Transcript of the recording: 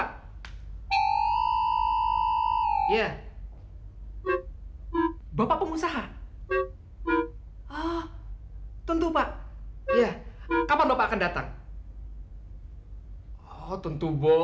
kalau lapar bayar nih ganti rugi